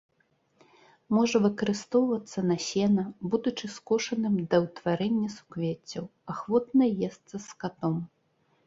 Можа выкарыстоўвацца на сена, будучы скошаным да ўтварэння суквеццяў, ахвотна есца скатом.